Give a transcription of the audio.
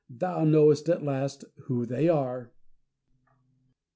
thou knowest at last who they are.